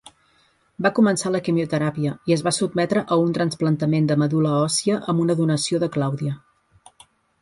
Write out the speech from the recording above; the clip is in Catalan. Va començar la quimioteràpia, i es va sotmetre a un trasplantament de medul·la òssia amb una donació de Claudia.